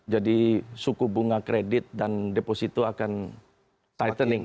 jadi suku bunga kredit dan deposito akan tightening